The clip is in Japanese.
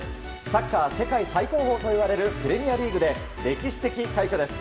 サッカー世界最高峰といわれるプレミアリーグで歴史的快挙です。